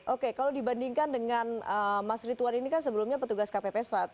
oke kalau dibandingkan dengan mas rituan ini kan sebelumnya petugas kpps fat